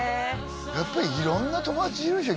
やっぱり色んな友達いるでしょ？